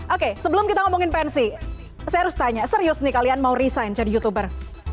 oke sebelum kita ngomongin pensi saya harus tanya serius nih kalian mau resign jadi youtuber